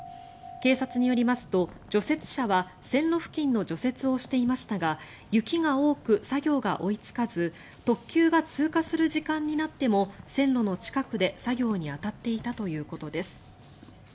警察によりますと、除雪車は線路付近の除雪をしていましたが雪が多く、作業が追いつかず特急が通過する時間になっても線路の近くで作業に当たっていたということです。